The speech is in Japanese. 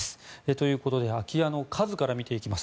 ということで空き家の数から見ていきます。